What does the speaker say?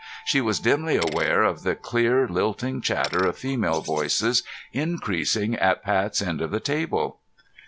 She was dimly aware of the clear lilting chatter of female voices increasing at Pat's end of the table.